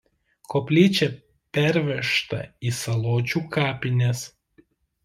Koplyčia pervežta į Saločių kapines.